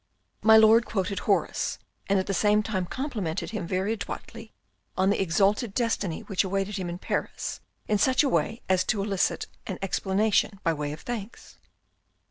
My lord quoted Horace and at the same time complimented him very adroitly on the exalted destiny which awaited him in Paris in such a way as to elicit an explanation by way of thanks.